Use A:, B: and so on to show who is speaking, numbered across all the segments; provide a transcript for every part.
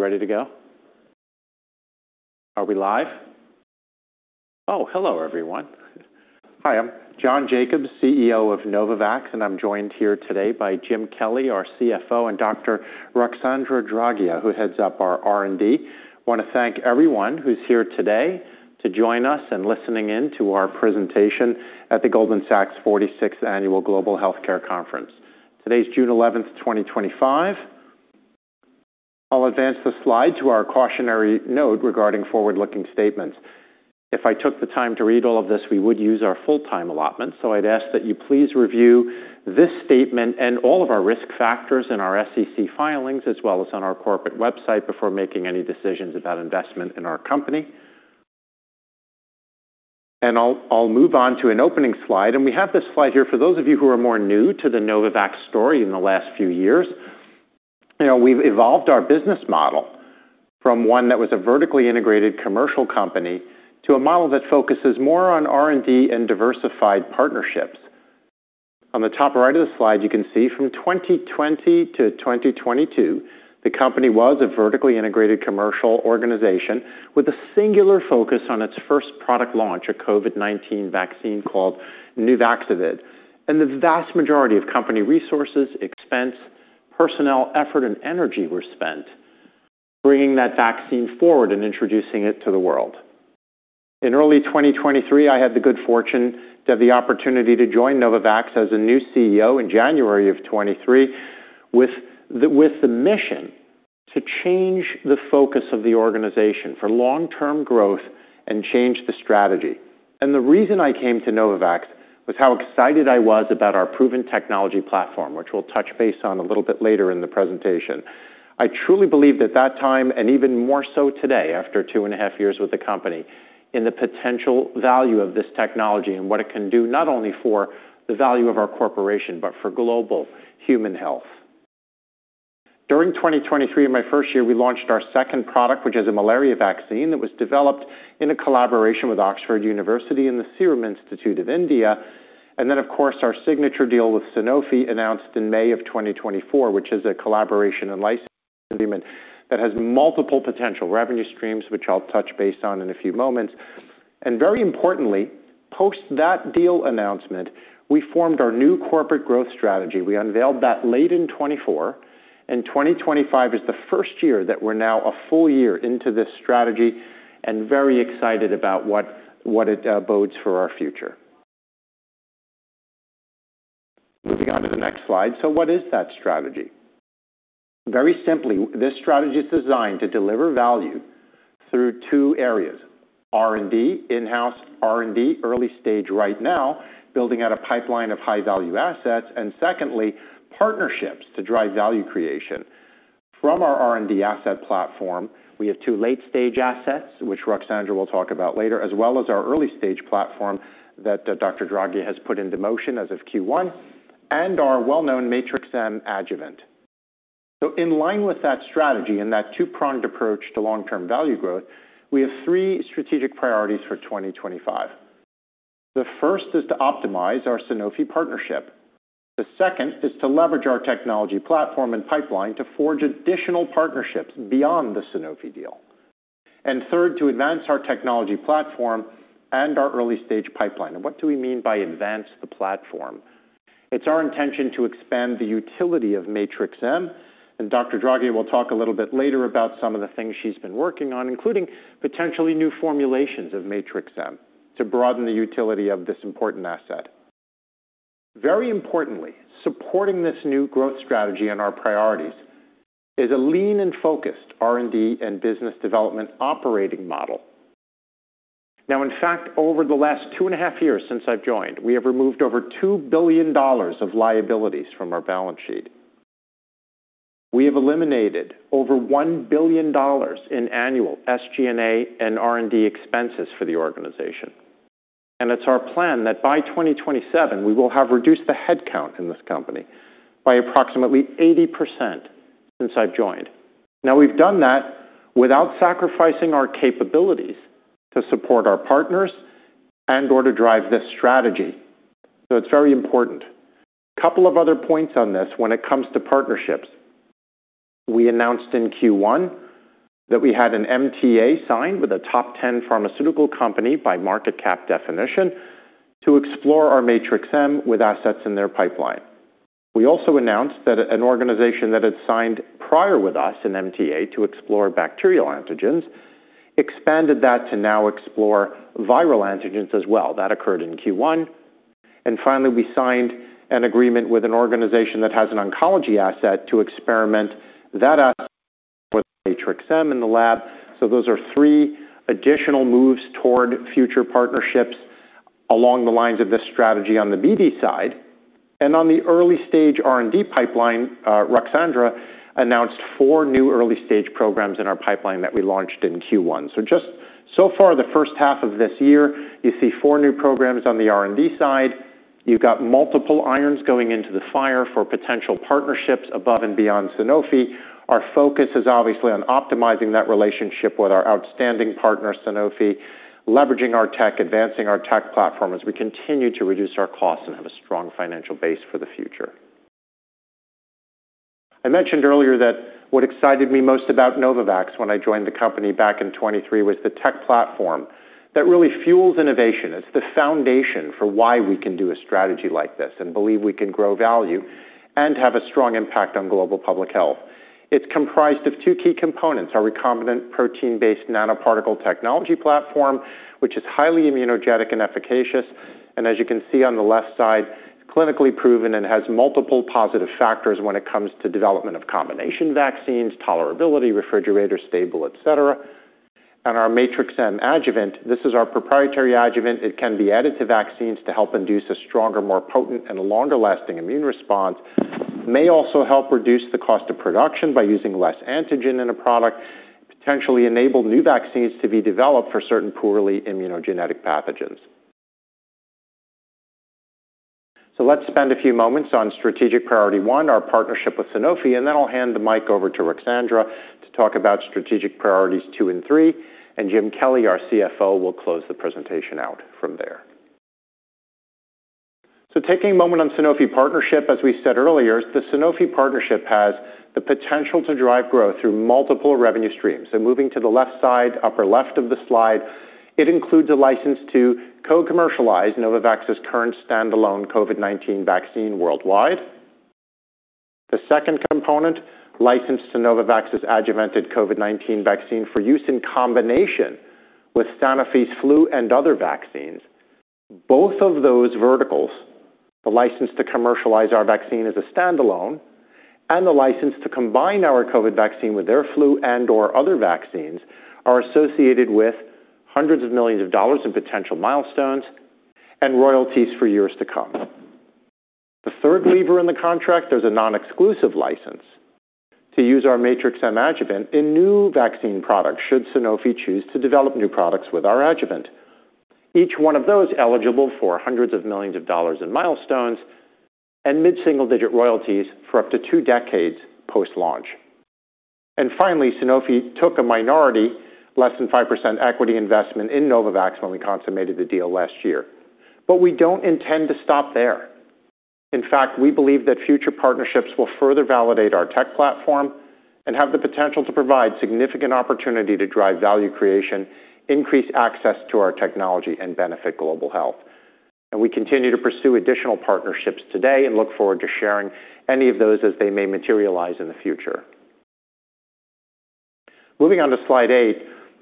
A: Are we ready to go? Are we live? Oh, hello, everyone. Hi, I'm John Jacobs, CEO of Novavax, and I'm joined here today by Jim Kelly, our CFO, and Dr. Ruxandra Draghia, who heads up our R&D. I want to thank everyone who's here today to join us and listening in to our presentation at the Goldman Sachs 46th Annual Global Healthcare Conference. Today's June 11, 2025. I'll advance the slide to our cautionary note regarding forward-looking statements. If I took the time to read all of this, we would use our full-time allotment, so I'd ask that you please review this statement and all of our risk factors in our SEC filings, as well as on our corporate website, before making any decisions about investment in our company. I'll move on to an opening slide, and we have this slide here for those of you who are more new to the Novavax story in the last few years. We've evolved our business model from one that was a vertically integrated commercial company to a model that focuses more on R&D and diversified partnerships. On the top right of the slide, you can see from 2020 to 2022, the company was a vertically integrated commercial organization with a singular focus on its first product launch, a COVID-19 vaccine called Nuvaxovid, and the vast majority of company resources, expense, personnel, effort, and energy were spent bringing that vaccine forward and introducing it to the world. In early 2023, I had the good fortune to have the opportunity to join Novavax as a new CEO in January of 2023 with the mission to change the focus of the organization for long-term growth and change the strategy. The reason I came to Novavax was how excited I was about our proven technology platform, which we'll touch base on a little bit later in the presentation. I truly believe that that time, and even more so today, after two and a half years with the company, in the potential value of this technology and what it can do not only for the value of our corporation, but for global human health. During 2023, in my first year, we launched our second product, which is a malaria vaccine that was developed in a collaboration with Oxford University and the Serum Institute of India. Of course, our signature deal with Sanofi announced in May of 2024, which is a collaboration and licensing agreement that has multiple potential revenue streams, which I'll touch base on in a few moments. Very importantly, post that deal announcement, we formed our new corporate growth strategy. We unveiled that late in 2024, and 2025 is the first year that we're now a full year into this strategy and very excited about what it bodes for our future. Moving on to the next slide. What is that strategy? Very simply, this strategy is designed to deliver value through two areas: R&D, in-house R&D, early stage right now, building out a pipeline of high-value assets, and secondly, partnerships to drive value creation. From our R&D asset platform, we have two late-stage assets, which Ruxandra will talk about later, as well as our early-stage platform that Dr. Draghia has put into motion as of Q1, and our well-known Matrix-M adjuvant. In line with that strategy and that two-pronged approach to long-term value growth, we have three strategic priorities for 2025. The first is to optimize our Sanofi partnership. The second is to leverage our technology platform and pipeline to forge additional partnerships beyond the Sanofi deal. Third, to advance our technology platform and our early-stage pipeline. What do we mean by advance the platform? It's our intention to expand the utility of Matrix-M, and Dr. Draghia will talk a little bit later about some of the things she's been working on, including potentially new formulations of Matrix-M, to broaden the utility of this important asset. Very importantly, supporting this new growth strategy and our priorities is a lean and focused R&D and business development operating model. Now, in fact, over the last two and a half years since I've joined, we have removed over $2 billion of liabilities from our balance sheet. We have eliminated over $1 billion in annual SG&A and R&D expenses for the organization. It is our plan that by 2027, we will have reduced the headcount in this company by approximately 80% since I've joined. We have done that without sacrificing our capabilities to support our partners and/or to drive this strategy. It is very important. A couple of other points on this: when it comes to partnerships, we announced in Q1 that we had an MTA signed with a top 10 pharmaceutical company by market cap definition to explore our Matrix-M with assets in their pipeline. We also announced that an organization that had signed prior with us an MTA to explore bacterial antigens expanded that to now explore viral antigens as well. That occurred in Q1. Finally, we signed an agreement with an organization that has an oncology asset to experiment that asset with Matrix-M in the lab. Those are three additional moves toward future partnerships along the lines of this strategy on the BD side. On the early-stage R&D pipeline, Ruxandra announced four new early-stage programs in our pipeline that we launched in Q1. Just so far, the first half of this year, you see four new programs on the R&D side. You've got multiple irons going into the fire for potential partnerships above and beyond Sanofi. Our focus is obviously on optimizing that relationship with our outstanding partner, Sanofi, leveraging our tech, advancing our tech platform as we continue to reduce our costs and have a strong financial base for the future. I mentioned earlier that what excited me most about Novavax when I joined the company back in 2023 was the tech platform that really fuels innovation. It's the foundation for why we can do a strategy like this and believe we can grow value and have a strong impact on global public health. It's comprised of two key components: our recombinant protein-based nanoparticle technology platform, which is highly immunogenic and efficacious. As you can see on the left side, clinically proven and has multiple positive factors when it comes to development of combination vaccines, tolerability, refrigerator stable, et cetera. Our Matrix-M adjuvant, this is our proprietary adjuvant. It can be added to vaccines to help induce a stronger, more potent, and longer-lasting immune response. May also help reduce the cost of production by using less antigen in a product, potentially enable new vaccines to be developed for certain poorly immunogenic pathogens. Let's spend a few moments on strategic priority one, our partnership with Sanofi, and then I'll hand the mic over to Ruxandra to talk about strategic priorities two and three. Jim Kelly, our CFO, will close the presentation out from there. Taking a moment on Sanofi partnership, as we said earlier, the Sanofi partnership has the potential to drive growth through multiple revenue streams. Moving to the left side, upper left of the slide, it includes a license to co-commercialize Novavax's current standalone COVID-19 vaccine worldwide. The second component, license to Novavax's adjuvanted COVID-19 vaccine for use in combination with Sanofi's flu and other vaccines. Both of those verticals, the license to commercialize our vaccine as a standalone and the license to combine our COVID vaccine with their flu and/or other vaccines, are associated with hundreds of millions of dollars in potential milestones and royalties for years to come. The third lever in the contract, there's a non-exclusive license to use our MatrixM adjuvant in new vaccine products should Sanofi choose to develop new products with our adjuvant. Each one of those eligible for hundreds of millions of dollars in milestones and mid-single-digit royalties for up to two decades post-launch. Finally, Sanofi took a minority, less than 5% equity investment in Novavax when we consummated the deal last year. We don't intend to stop there. In fact, we believe that future partnerships will further validate our tech platform and have the potential to provide significant opportunity to drive value creation, increase access to our technology, and benefit global health. We continue to pursue additional partnerships today and look forward to sharing any of those as they may materialize in the future. Moving on to slide eight,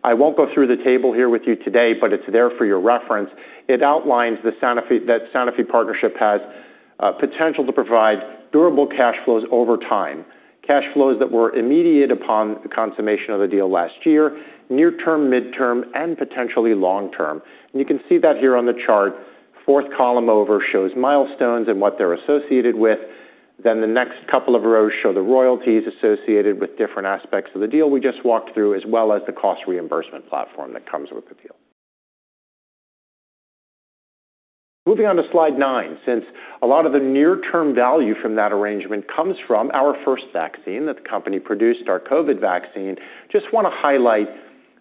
A: I won't go through the table here with you today, but it's there for your reference. It outlines that Sanofi partnership has potential to provide durable cash flows over time, cash flows that were immediate upon the consummation of the deal last year, near-term, mid-term, and potentially long-term. You can see that here on the chart. Fourth column over shows milestones and what they're associated with. The next couple of rows show the royalties associated with different aspects of the deal we just walked through, as well as the cost reimbursement platform that comes with the deal. Moving on to slide nine, since a lot of the near-term value from that arrangement comes from our first vaccine that the company produced, our COVID vaccine, just want to highlight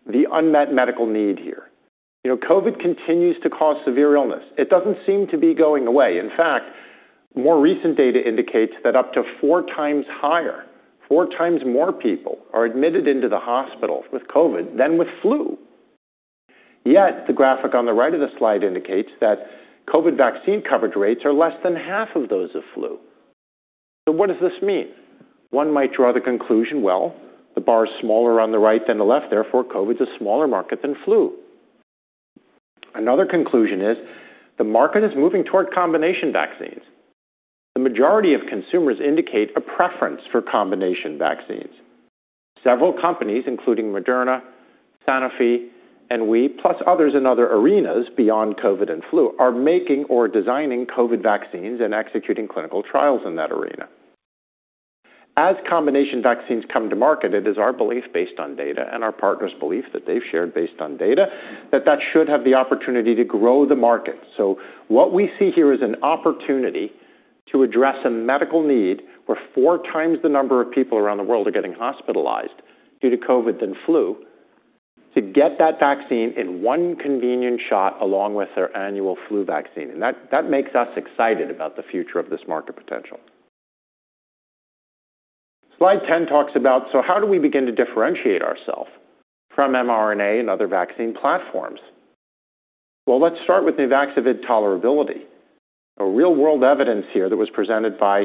A: the unmet medical need here. COVID continues to cause severe illness. It does not seem to be going away. In fact, more recent data indicates that up to four times higher, four times more people are admitted into the hospital with COVID than with flu. Yet the graphic on the right of the slide indicates that COVID vaccine coverage rates are less than half of those of flu. What does this mean? One might draw the conclusion, well, the bar is smaller on the right than the left, therefore COVID's a smaller market than flu. Another conclusion is the market is moving toward combination vaccines. The majority of consumers indicate a preference for combination vaccines. Several companies, including Moderna, Sanofi, and we, plus others in other arenas beyond COVID and flu, are making or designing COVID vaccines and executing clinical trials in that arena. As combination vaccines come to market, it is our belief based on data and our partners' belief that they've shared based on data, that that should have the opportunity to grow the market. What we see here is an opportunity to address a medical need where four times the number of people around the world are getting hospitalized due to COVID than flu, to get that vaccine in one convenient shot along with their annual flu vaccine. That makes us excited about the future of this market potential. Slide 10 talks about, so how do we begin to differentiate ourself from mRNA and other vaccine platforms? Let's start with Nuvaxovid tolerability. Real-world evidence here that was presented by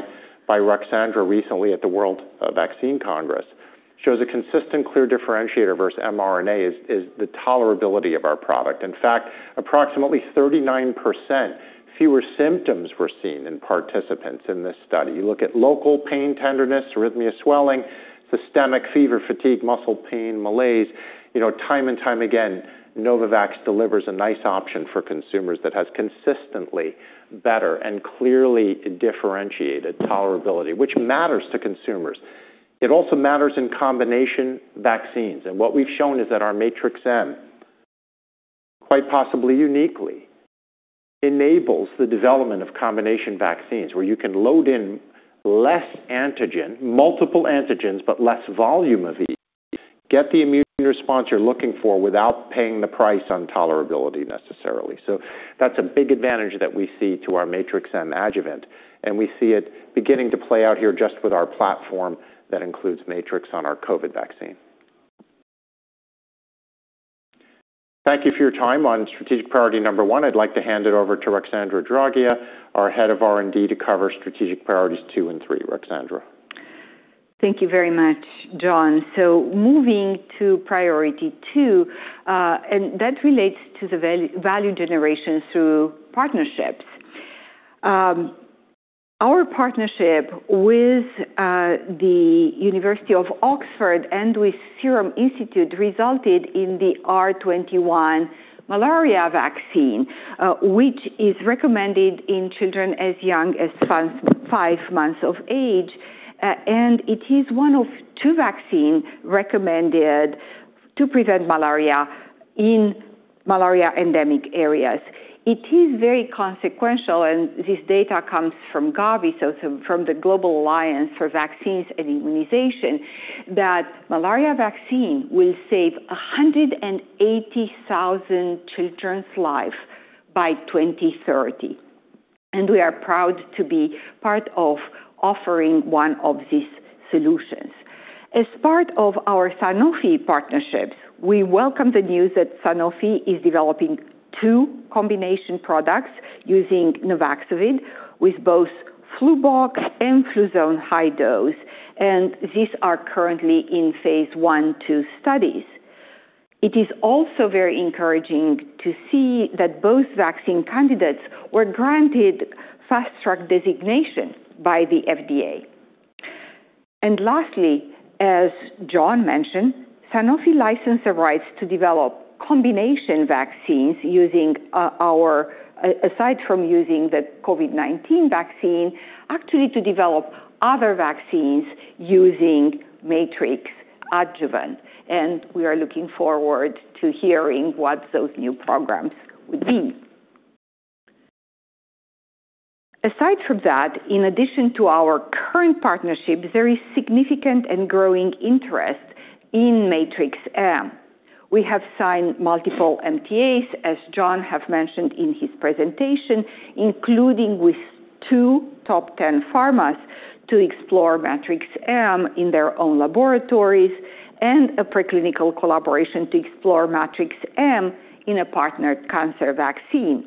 A: Ruxandra recently at the World Vaccine Congress shows a consistent clear differentiator versus mRNA is the tolerability of our product. In fact, approximately 39% fewer symptoms were seen in participants in this study. You look at local pain, tenderness, arrhythmia, swelling, systemic fever, fatigue, muscle pain, malaise. Time and time again, Novavax delivers a nice option for consumers that has consistently better and clearly differentiated tolerability, which matters to consumers. It also matters in combination vaccines. What we've shown is that our Matrix-M, quite possibly uniquely, enables the development of combination vaccines where you can load in less antigen, multiple antigens, but less volume of these, get the immune response you're looking for without paying the price on tolerability necessarily. That is a big advantage that we see to our Matrix-M adjuvant. We see it beginning to play out here just with our platform that includes Matrix on our COVID vaccine. Thank you for your time on strategic priority number one. I'd like to hand it over to Ruxandra Draghia, our Head of R&D, to cover strategic priorities two and three. Ruxandra.
B: Thank you very much, John. Moving to priority two, and that relates to the value generation through partnerships. Our partnership with the University of Oxford and with Serum Institute resulted in the R21 malaria vaccine, which is recommended in children as young as five months of age. It is one of two vaccines recommended to prevent malaria in malaria endemic areas. It is very consequential, and this data comes from Gavi, so from the Global Alliance for Vaccines and Immunization, that malaria vaccine will save 180,000 children's lives by 2030. We are proud to be part of offering one of these solutions. As part of our Sanofi partnerships, we welcome the news that Sanofi is developing two combination products using Nuvaxovid with both Flublok and Fluzone High-Dose. These are currently in phase I/II studies. It is also very encouraging to see that both vaccine candidates were granted fast-track designation by the FDA. Lastly, as John mentioned, Sanofi licensed the rights to develop combination vaccines using our, aside from using the COVID-19 vaccine, actually to develop other vaccines using Matrix adjuvant. We are looking forward to hearing what those new programs would be. Aside from that, in addition to our current partnership, there is significant and growing interest in Matrix-M. We have signed multiple MTAs, as John has mentioned in his presentation, including with two top 10 pharmas to explore Matrix-M in their own laboratories and a preclinical collaboration to explore Matrix-M in a partnered cancer vaccine.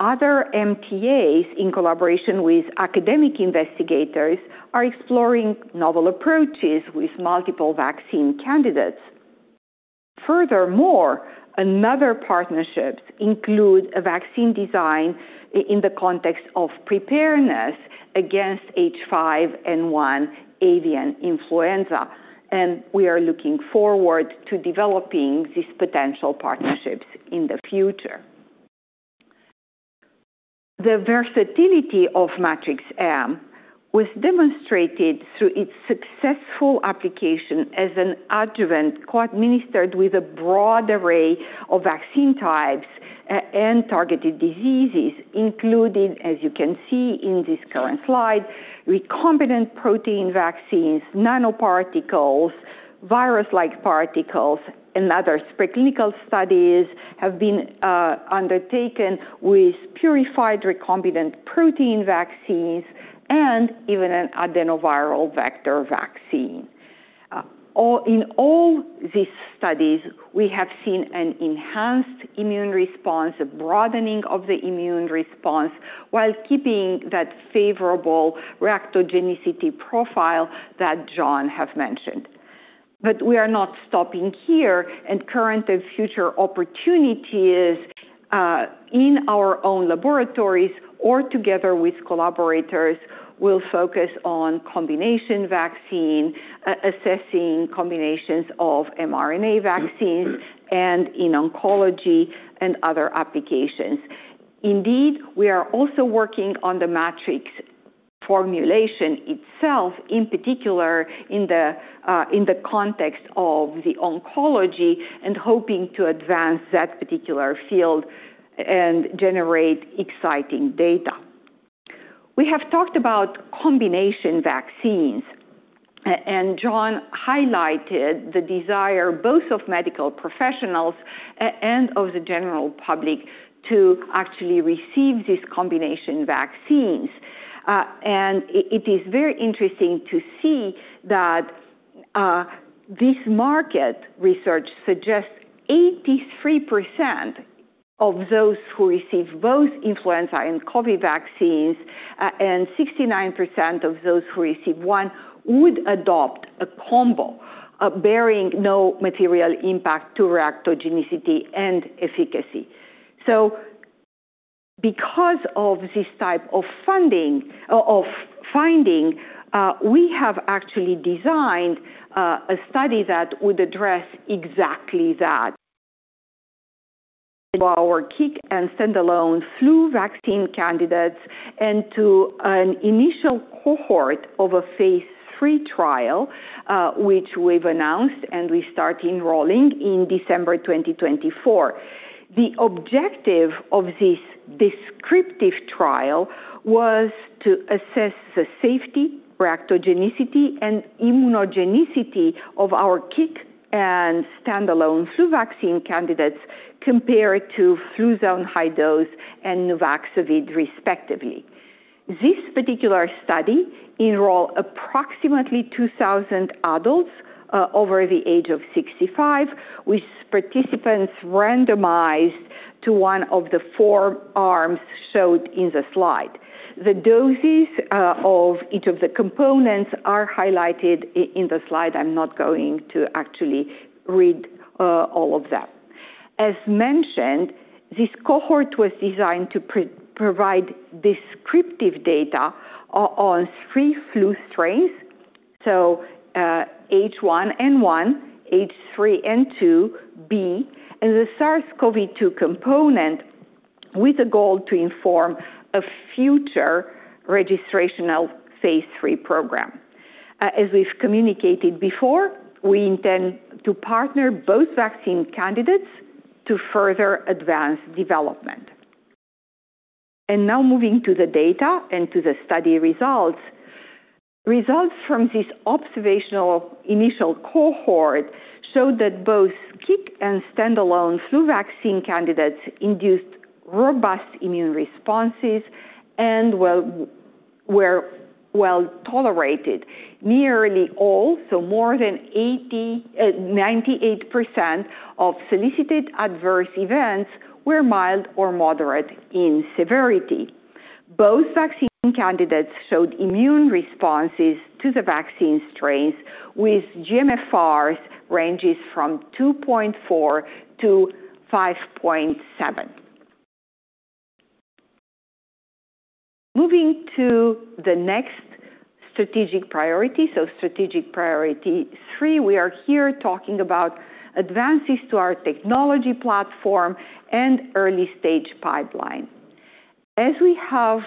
B: Other MTAs in collaboration with academic investigators are exploring novel approaches with multiple vaccine candidates. Furthermore, other partnerships include a vaccine design in the context of preparedness against H5N1 avian influenza. We are looking forward to developing these potential partnerships in the future. The versatility of Matrix-M was demonstrated through its successful application as an adjuvant co-administered with a broad array of vaccine types and targeted diseases, including, as you can see in this current slide, recombinant protein vaccines, nanoparticles, virus-like particles, and other preclinical studies have been undertaken with purified recombinant protein vaccines and even an adenoviral vector vaccine. In all these studies, we have seen an enhanced immune response, a broadening of the immune response while keeping that favorable reactogenicity profile that John has mentioned. We are not stopping here. Current and future opportunities in our own laboratories or together with collaborators will focus on combination vaccine, assessing combinations of mRNA vaccines, and in oncology and other applications. Indeed, we are also working on the Matrix formulation itself, in particular in the context of the oncology, and hoping to advance that particular field and generate exciting data. We have talked about combination vaccines. John highlighted the desire both of medical professionals and of the general public to actually receive these combination vaccines. It is very interesting to see that this market research suggests 83% of those who receive both influenza and COVID vaccines and 69% of those who receive one would adopt a combo bearing no material impact to reactogenicity and efficacy. Because of this type of finding, we have actually designed a study that would address exactly that. Our CIC and stand-alone flu vaccine candidates enter an initial cohort of a phase III trial, which we have announced and we start enrolling in December 2024. The objective of this descriptive trial was to assess the safety, reactogenicity, and immunogenicity of our CIC and stand-alone flu vaccine candidates compared to Fluzone High-Dose and Nuvaxovid, respectively. This particular study enrolled approximately 2,000 adults over the age of 65, with participants randomized to one of the four arms shown in the slide. The doses of each of the components are highlighted in the slide. I'm not going to actually read all of that. As mentioned, this cohort was designed to provide descriptive data on three flu strains, so H1N1, H3N2b, and the SARS-CoV-2 component with a goal to inform a future registrational phase III program. As we've communicated before, we intend to partner both vaccine candidates to further advance development. Now moving to the data and to the study results. Results from this observational initial cohort showed that both CIC and stand-alone flu vaccine candidates induced robust immune responses and were well tolerated. Nearly all, so more than 98% of solicited adverse events were mild or moderate in severity. Both vaccine candidates showed immune responses to the vaccine strains with GMFRs ranges from 2.4 to 5.7. Moving to the next strategic priorities, strategic priority three, we are here talking about advances to our technology platform and early stage pipeline. As we have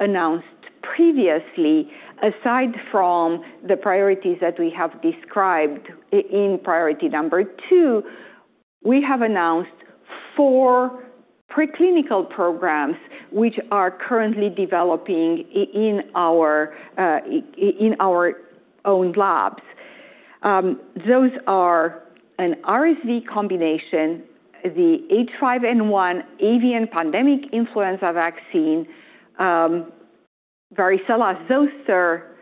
B: announced previously, aside from the priorities that we have described in priority number two, we have announced four preclinical programs which are currently developing in our own labs. Those are an RSV combination, the H5N1 avian pandemic influenza vaccine, Varicella-zoster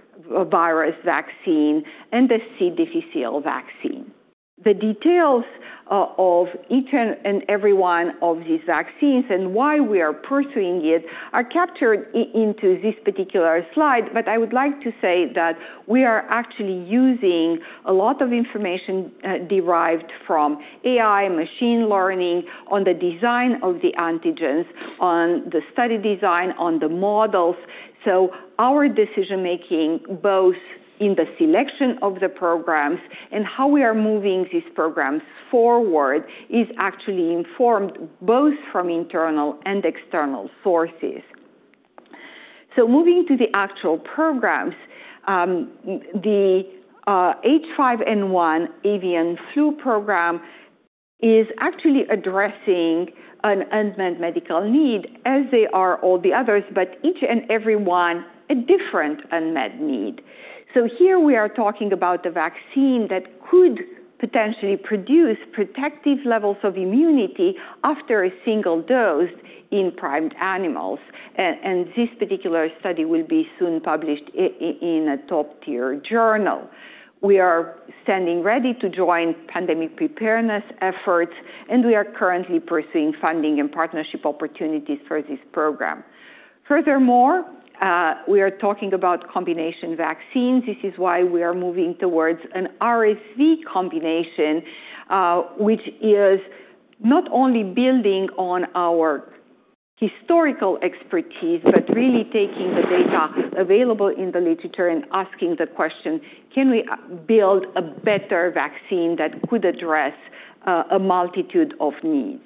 B: virus vaccine, and the C. difficile vaccine. The details of each and every one of these vaccines and why we are pursuing it are captured into this particular slide. I would like to say that we are actually using a lot of information derived from AI and machine learning on the design of the antigens, on the study design, on the models. Our decision-making, both in the selection of the programs and how we are moving these programs forward, is actually informed both from internal and external sources. Moving to the actual programs, the H5N1 avian flu program is actually addressing an unmet medical need as are all the others, but each and every one a different unmet need. Here we are talking about the vaccine that could potentially produce protective levels of immunity after a single dose in primed animals. This particular study will be soon published in a top-tier journal. We are standing ready to join pandemic preparedness efforts, and we are currently pursuing funding and partnership opportunities for this program. Furthermore, we are talking about combination vaccines. This is why we are moving towards an RSV combination, which is not only building on our historical expertise, but really taking the data available in the literature and asking the question, can we build a better vaccine that could address a multitude of needs?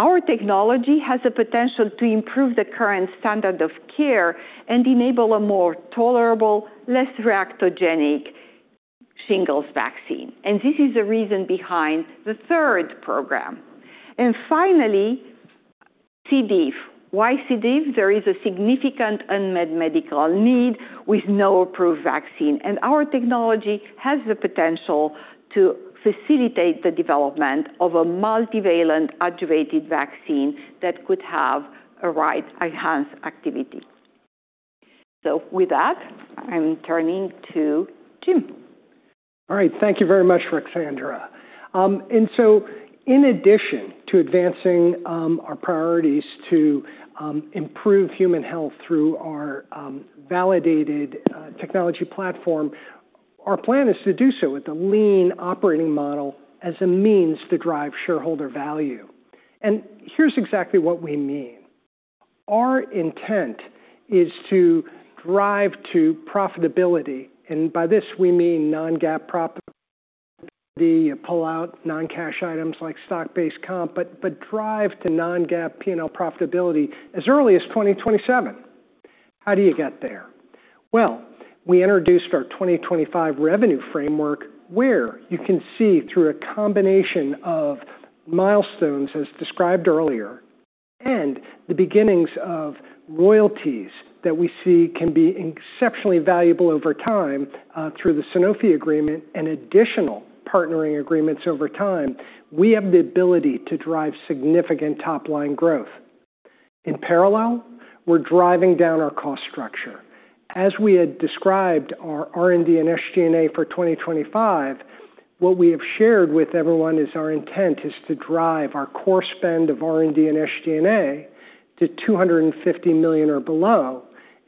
B: Our technology has the potential to improve the current standard of care and enable a more tolerable, less reactogenic shingles vaccine. This is the reason behind the third program. Finally, C. diff. Why C. diff? There is a significant unmet medical need with no approved vaccine. Our technology has the potential to facilitate the development of a multivalent adjuvanted vaccine that could have a right enhanced activity. With that, I'm turning to Jim.
C: All right. Thank you very much, Ruxandra. In addition to advancing our priorities to improve human health through our validated technology platform, our plan is to do so with a lean operating model as a means to drive shareholder value. Here is exactly what we mean. Our intent is to drive to profitability. By this, we mean non-GAAP profitability, pull out non-cash items like stock-based comp, but drive to non-GAAP P&L profitability as early as 2027. How do you get there? We introduced our 2025 revenue framework, where you can see through a combination of milestones as described earlier and the beginnings of royalties that we see can be exceptionally valuable over time through the Sanofi agreement and additional partnering agreements over time, we have the ability to drive significant top-line growth. In parallel, we are driving down our cost structure. As we had described our R&D and SG&A for 2025, what we have shared with everyone is our intent is to drive our core spend of R&D and SG&A to $250 million or below.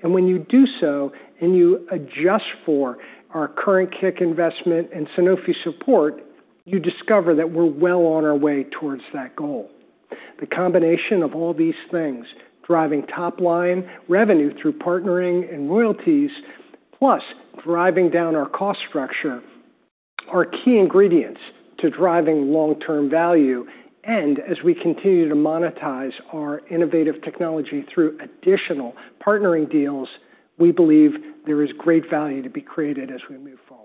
C: When you do so and you adjust for our current CIC investment and Sanofi support, you discover that we're well on our way towards that goal. The combination of all these things, driving top-line revenue through partnering and royalties, plus driving down our cost structure, are key ingredients to driving long-term value. As we continue to monetize our innovative technology through additional partnering deals, we believe there is great value to be created as we move forward.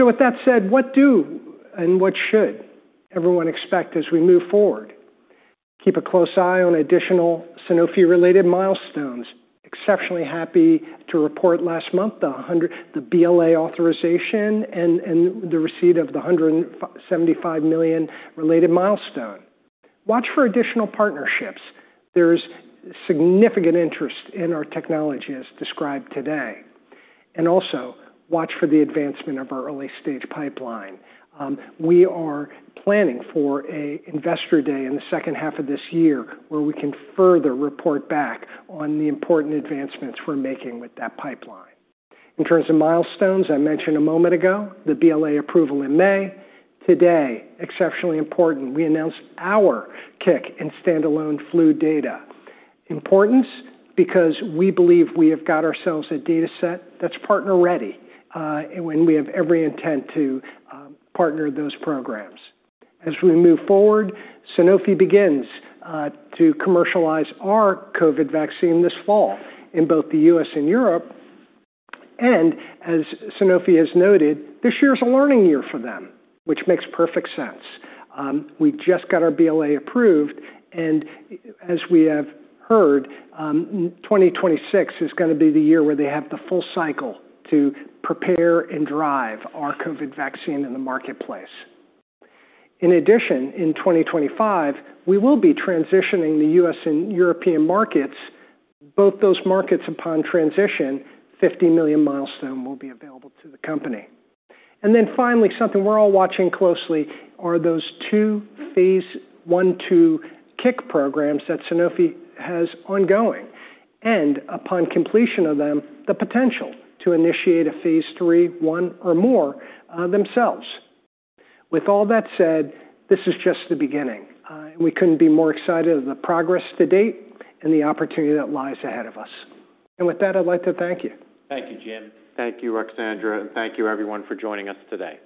C: With that said, what do and what should everyone expect as we move forward? Keep a close eye on additional Sanofi-related milestones. Exceptionally happy to report last month the BLA authorization and the receipt of the $175 million related milestone. Watch for additional partnerships. There is significant interest in our technology as described today. Also watch for the advancement of our early stage pipeline. We are planning for an investor day in the second half of this year where we can further report back on the important advancements we're making with that pipeline. In terms of milestones, I mentioned a moment ago the BLA approval in May. Today, exceptionally important, we announced our CIC and stand-alone flu data. Important because we believe we have got ourselves a dataset that's partner-ready when we have every intent to partner those programs. As we move forward, Sanofi begins to commercialize our COVID vaccine this fall in both the U.S. and Europe.
D: As Sanofi has noted, this year is a learning year for them, which makes perfect sense. We just got our BLA approved. As we have heard, 2026 is going to be the year where they have the full cycle to prepare and drive our COVID vaccine in the marketplace. In addition, in 2025, we will be transitioning the US and European markets. Both those markets upon transition, $50 million milestone will be available to the company. Finally, something we are all watching closely are those two phase I/II CIC programs that Sanofi has ongoing. Upon completion of them, the potential to initiate a phase III, one or more themselves. With all that said, this is just the beginning. We could not be more excited of the progress to date and the opportunity that lies ahead of us. With that, I would like to thank you.
A: Thank you, Jim. Thank you, Ruxandra. Thank you, everyone, for joining us today.